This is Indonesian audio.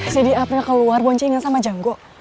jadi apri keluar boncengan sama jango